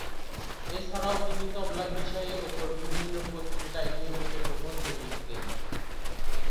এছাড়াও তিনি তবলা বিষয়ে উপর বিভিন্ন পত্রিকায় নিয়মিত প্রবন্ধ লিখতেন।